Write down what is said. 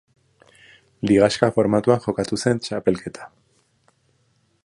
Ligaxka formatuan jokatu zen txapelketa.